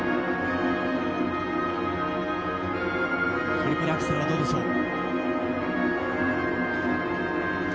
トリプルアクセルはどうでしょう？